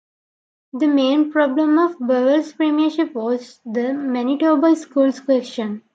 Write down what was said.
The main problem of Bowell's premiership was the Manitoba Schools Question.